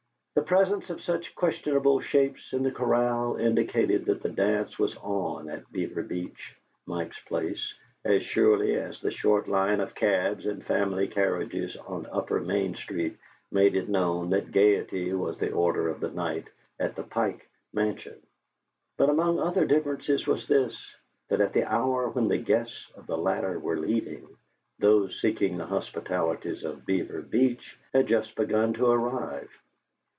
The presence of such questionable shapes in the corral indicated that the dance was on at Beaver Beach, Mike's Place, as surely as the short line of cabs and family carriages on upper Main Street made it known that gayety was the order of the night at the Pike Mansion. But among other differences was this, that at the hour when the guests of the latter were leaving, those seeking the hospitalities of Beaver Beach had just begun to arrive.